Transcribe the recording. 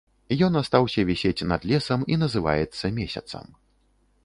Ён астаўся вісець над лесам і называецца месяцам.